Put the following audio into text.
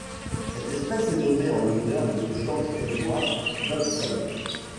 Cette espèce est nommée en l'honneur de George Edward Dobson.